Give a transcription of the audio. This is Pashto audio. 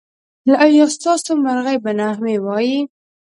ایا ستاسو مرغۍ به نغمې وايي؟